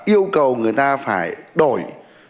yêu cầu người ta phải đổi